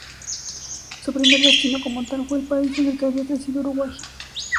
Su primer destino como tal fue el país en el que había crecido, Uruguay.